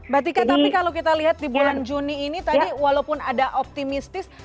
mbak tika tapi kalau kita lihat di bulan juni ini tadi walaupun ada optimistis